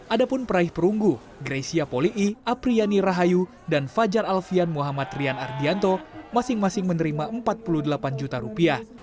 ada pun peraih perunggu greysia polii ⁇ apriyani rahayu dan fajar alfian muhammad rian ardianto masing masing menerima rp empat puluh delapan juta rupiah